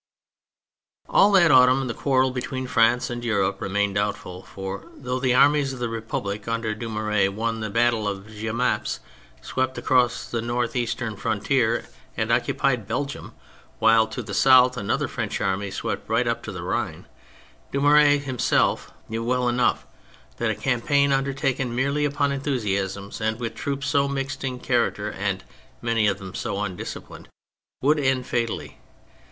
THE PHASES 123 All that autumn the quarrel between France and Europe remained doubtful, for though the armies of the Republic under Dumouriez won the battle of Jemappes, swept across the north eastern frontier and occupied Belgium, while to the south another French army swept right up to the Rhine. Dumouriez himself knew well enough that a campaign undertaken merely upon enthusiasm, and with troops so mixed in character and many of them so undisciplined, would end fatally.